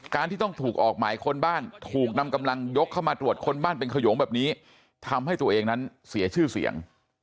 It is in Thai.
ที่ต้องถูกออกหมายค้นบ้านถูกนำกำลังยกเข้ามาตรวจคนบ้านเป็นขยงแบบนี้ทำให้ตัวเองนั้นเสียชื่อเสียง